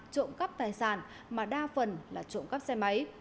trộm cắp tài sản mà đa phần là trộm cắp xe máy